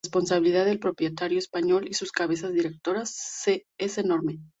La responsabilidad del proletariado español y sus cabezas directoras es enorme.